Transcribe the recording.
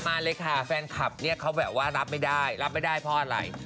มาเลยค่ะแฟนคลับเนี่ยเขาแบบว่ารับไม่ได้รับไม่ได้เพราะอะไร